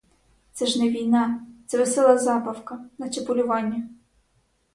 Це ж не війна — це весела забавка, наче полювання.